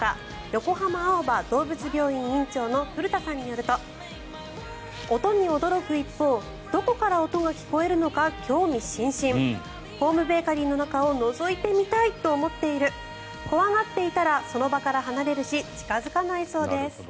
横浜青葉どうぶつ病院院長の古田さんによると音に驚く一方どこから音が聞こえるのか興味津々ホームベーカリーの中をのぞいてみたいと思っている怖がっていたらその場から離れるし近付かないそうです。